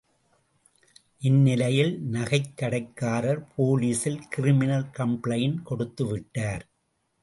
இந்நிலையில் நகைக் கடைக்காரர் போலீசில் கிரிமினல் கம்பிளைண்ட் கொடுத்து விட்டார்.